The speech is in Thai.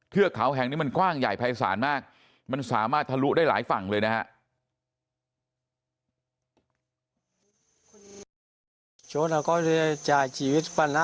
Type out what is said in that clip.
เทือกเขาแห่งนี้มันกว้างใหญ่ภายศาลมากมันสามารถทะลุได้หลายฝั่งเลยนะฮะ